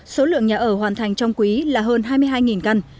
số lượng nhà ở hoàn thành trong quý là hơn hai mươi hai căn